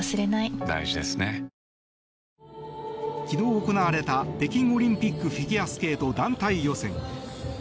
昨日行われた北京オリンピックフィギュアスケート団体予選。